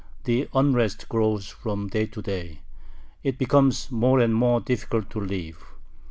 The unrest grows from day to day. It becomes more and more difficult to live.